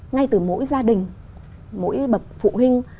ngay từ mỗi gia đình mỗi bậc phụ huynh